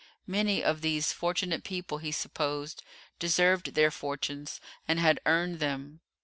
Many of these fortunate people, he supposed, deserved their fortunes, and had earned them.